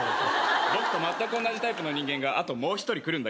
僕とまったく同じタイプの人間があともう一人来るんだけど。